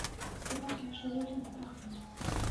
Сабакі ашалелі ад брахні.